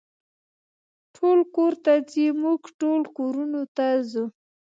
ټول کور ته ځي، موږ ټول کورونو ته ځو.